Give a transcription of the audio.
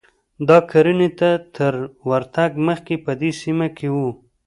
دا کرنې ته تر ورتګ مخکې په دې سیمه کې و